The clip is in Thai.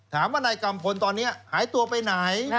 ถามว่านายกัมฟลตอนนี้หายตัวไปไหน